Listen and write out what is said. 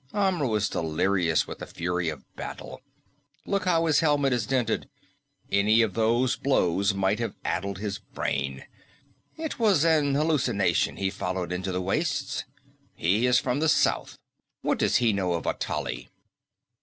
Amra was delirious with the fury of battle. Look how his helmet is dinted. Any of those blows might have addled his brain. It was an hallucination he followed into the wastes. He is from the south; what does he know of Atali?"